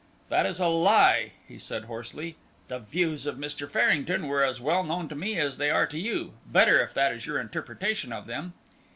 "That is a lie," he said, hoarsely. "The views of Mr. Farrington were as well known to me as they are to you better, if that is your interpretation of them."